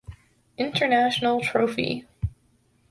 International Trophy